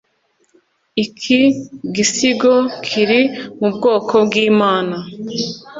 iki gisigo kiri mu bwoko bwimana.